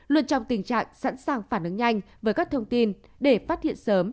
luật trọng tình trạng sẵn sàng phản ứng nhanh với các thông tin để phát hiện sớm